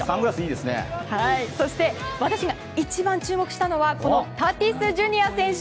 そして、私が一番注目したのはこのタティスＪｒ．選手。